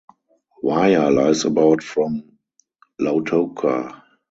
Waya lies about from Lautoka.